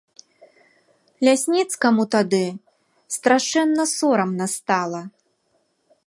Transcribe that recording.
Лясніцкаму тады страшэнна сорамна стала.